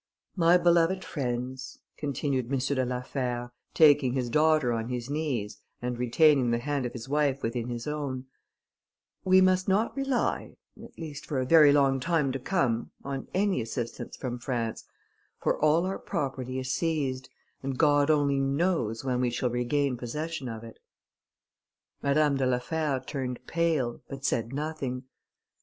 "My beloved friends," continued M. de la Fère, taking his daughter on his knees, and retaining the hand of his wife within his own, "we must not rely, at least for a very long time to come, on any assistance from France; for all our property is seized, and God only knows when we shall regain possession of it." Madame de la Fère turned pale, but said nothing.